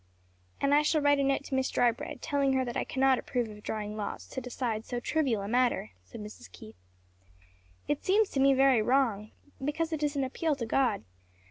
"And I shall write a note to Miss Drybread, telling her that I cannot approve of drawing lots to decide so trivial a matter;" said Mrs. Keith. "It seems to me very wrong; because it is an appeal to God.